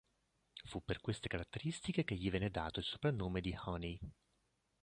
Fu per queste caratteristiche che gli venne dato il soprannome di "Honey".